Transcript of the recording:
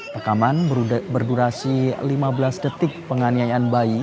rekaman berdurasi lima belas detik penganiayaan bayi